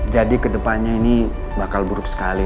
jadi ke depannya ini bakal buruk sekali